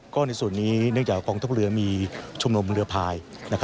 ก็ในส่วนนี้เนื่องจากกองทัพเรือมีชุมนุมเรือพาย